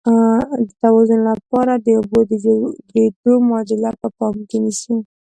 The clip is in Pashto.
د توازن کولو لپاره د اوبو د جوړیدو معادله په پام کې نیسو.